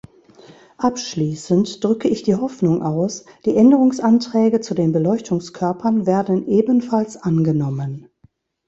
Abschließend drücke ich die Hoffnung aus, die Änderungsanträge zu den Beleuchtungskörpern werden ebenfalls angenommen.